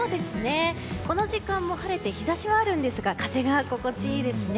この時間も晴れて日差しはあるんですが風が心地いいですね。